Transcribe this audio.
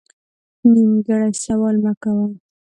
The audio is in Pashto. نیمګړی سوال مه کوه